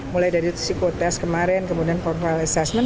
mulai dari psikotest kemarin kemudian profile assessment